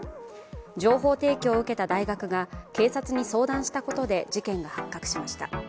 情報提供を受けた大学が警察に相談したことで事件が発覚しました。